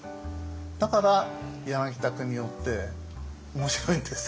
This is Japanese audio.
だから柳田国男って面白いんですよ。